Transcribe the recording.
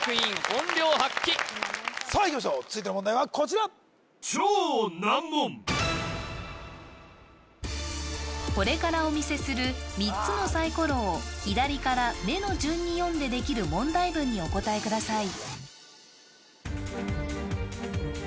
本領発揮さあいきましょう続いての問題はこちらこれからお見せする３つのサイコロを左から目の順に読んでできる問題文にお答えください